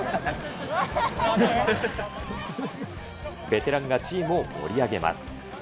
ベテランがチームを盛り上げます。